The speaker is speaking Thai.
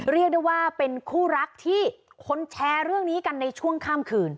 เรียกได้ว่าเป็นคู่รักที่คนแชร์เรื่องนี้กันในช่วงข้ามคืน